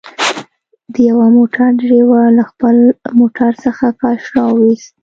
د يوه موټر ډريور له خپل موټر څخه فرش راوويست.